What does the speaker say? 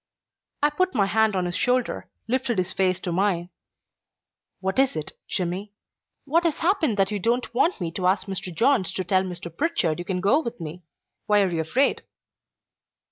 I put my hand on his shoulder, lifted his face to mine. "What is it, Jimmy? What has happened that you don't want me to ask Mr. Johns to tell Mr. Pritchard you can go with me? Why are you afraid?"